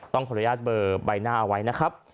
ขออนุญาตเบอร์ใบหน้าเอาไว้นะครับ